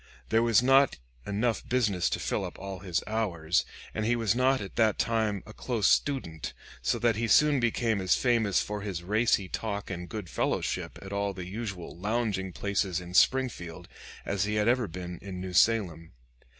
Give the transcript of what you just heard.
There was not enough business to fill up all his hours, and he was not at that time a close student, so that he soon became as famous for his racy talk and good fellowship at all the usual lounging places in Springfield as he had ever been in New Salem.